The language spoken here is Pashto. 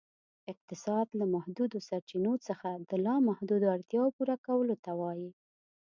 اقتصاد ، له محدودو سرچینو څخه د لا محدودو اړتیاوو پوره کولو ته وایي.